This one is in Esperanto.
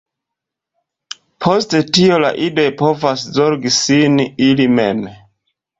Post tio, la idoj povas zorgi sin ili mem.